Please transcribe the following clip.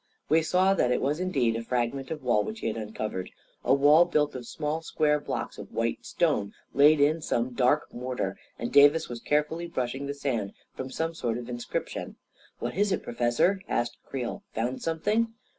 We saw that it was indeed a frag ment of wall which he had uncovered — a wall built of small, square blocks of white stone laid in some dark mortar — and Davis was carefully brushing the sand from some sort of inscription. " What is it, Professor? " asked Creel. " Found something?